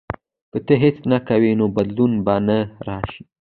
• که ته هڅه نه کوې، نو بدلون به نه راشي.